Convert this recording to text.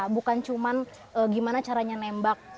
bukan cuma gimana caranya nembak